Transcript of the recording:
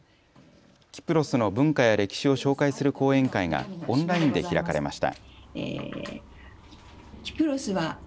キプロスの文化や歴史を紹介する講演会がオンラインで開かれました。